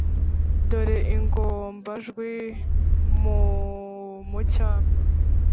dore ingombajwi m mu cyapa